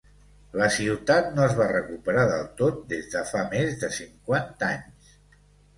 La ciutat no es va recuperar del tot des de fa més de cinquanta anys.